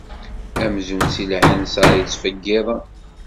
Amzun si lɛinser yettfeggiḍen.